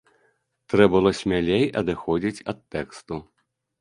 Трэ' было смялей адыходзіць ад тэксту.